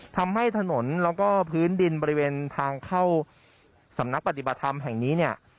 ทำให้ถนนแล้วก็พื้นดินบริเวณทางเข้าสำนักปฏิบัติธรรมแห่งนี้เนี่ย